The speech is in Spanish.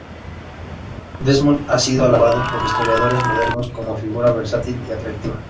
Desmond ha sido alabado por historiadores modernos como figura versátil y atractiva.